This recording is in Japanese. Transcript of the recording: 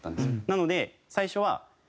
なので最初は。